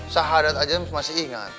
sahadat aja masih ingat